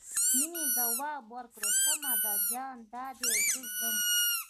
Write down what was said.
مينې ځواب ورکړ سمه ده جان دادی زه ځم.